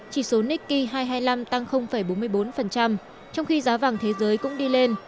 chỉ số nikkei hai trăm hai mươi năm tăng bốn mươi bốn trong khi giá vàng thế giới cũng đi lên